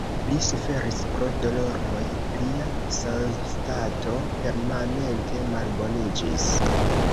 Li suferis pro doloroj, lia sanstato permanente malboniĝis.